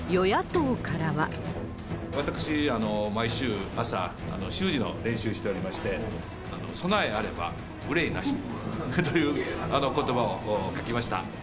私、毎週朝、習字の練習しておりまして、備えあれば患いなしということばを書きました。